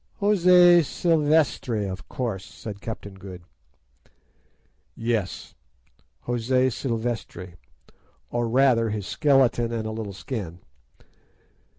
"José Silvestre, of course," said Captain Good. "Yes, José Silvestre, or rather his skeleton and a little skin.